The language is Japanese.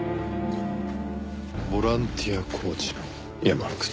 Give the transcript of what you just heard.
ボランティアコーチの山口。